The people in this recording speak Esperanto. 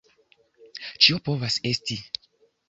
Ĉio povas esti!